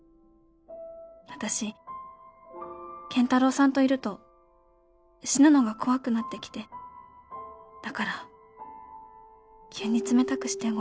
「私健太郎さんといると死ぬのが怖くなってきてだから急に冷たくしてごめんね」